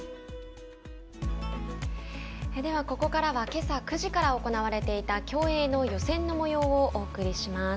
ここからはけさ９時から行われていた競泳の予選のもようをお送りします。